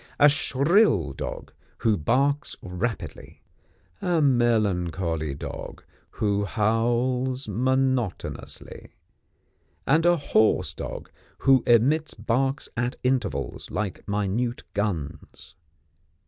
A shrill dog, who barks rapidly; a melancholy dog, who howls monotonously; and a hoarse dog, who emits barks at intervals, like minute guns.